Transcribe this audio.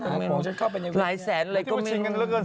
ไหลแสนแล้วก็มี